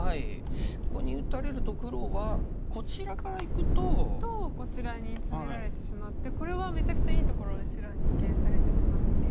ここに打たれると黒はこちらからいくと。とこちらにツメられてしまってこれはめちゃくちゃいいところに白に二間されてしまっていますので。